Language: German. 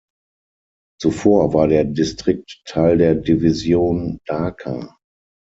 Zuvor war der Distrikt Teil der Division Dhaka.